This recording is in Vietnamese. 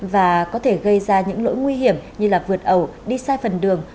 và có thể gây ra những lỗi nguy hiểm như vượt ẩu đi sai phần đường